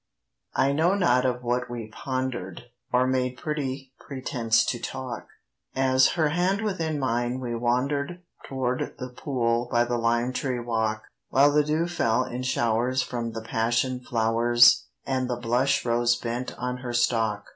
I KNOW not of what we ponder'd Or made pretty pretence to talk, As, her hand within mine, we wander'd Tow'rd the pool by the limetree walk, While the dew fell in showers from the passion flowers And the blush rose bent on her stalk.